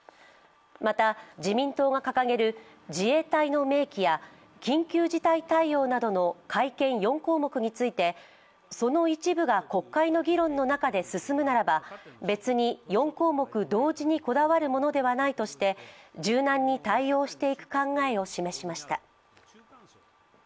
また、自民党が掲げる自衛隊の明記や緊急事態対応などの改憲４項目についてその一部が国会の議論の中で進むならば別に４項目同時にこだわるものではないとして、柔軟に対応していく考えを示しました。